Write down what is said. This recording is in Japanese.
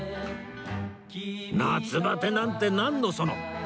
夏バテなんてなんのその！